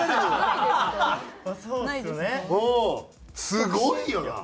すごいよな。